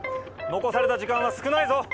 残された時間は少ないぞ。